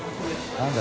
何だ？